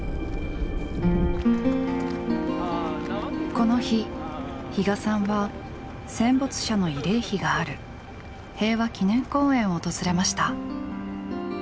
この日比嘉さんは戦没者の慰霊碑がある平和祈念公園を訪れました。